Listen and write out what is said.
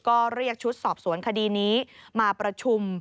ก็เรียกชุดสอบสวนคดีนี้มาประชุม